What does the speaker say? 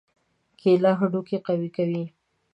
کېله هډوکي قوي کوي.